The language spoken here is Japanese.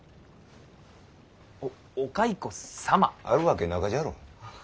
あるわけなかじゃろう。